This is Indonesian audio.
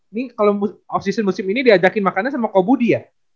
ini kalo off season musim ini diajakin makannya sama koko budi ya